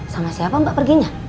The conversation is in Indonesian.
sama siapa mbak perginya